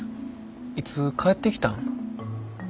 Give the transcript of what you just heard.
いつ帰ってきたん？